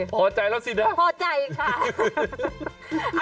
ผมพอใจแล้วสินะค่ะพอใจค่ะ